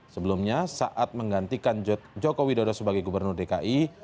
sebelumnya saat menggantikan joko widodo sebagai gubernur dki